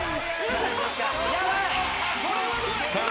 さあ